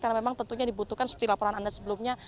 karena memang tentunya dibutuhkan seperti laporan anda sebelumnya